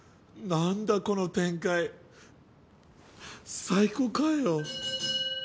なんだこの展開最高かよ！